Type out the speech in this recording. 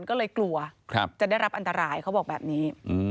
ก็เลยกลัวจะได้รับอันตรายเขาบอกแบบนี้